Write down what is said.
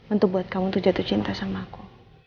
untuk buat kamu untuk jatuh cinta sama aku